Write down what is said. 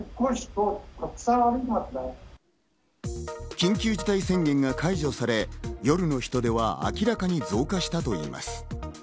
緊急事態宣言が解除され、夜の人出は明らかに増加したといいます。